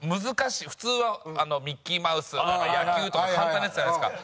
普通は「ミッキーマウス」とか「野球」とか簡単なやつじゃないですか。